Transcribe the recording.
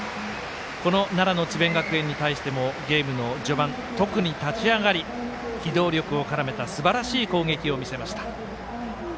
この奈良の智弁学園に対してもゲームの序盤特に立ち上がり、機動力を絡めたすばらしい攻撃を見せました。